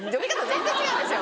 全然違うんですよ。